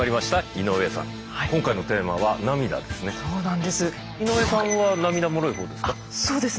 井上さんは涙もろい方ですか？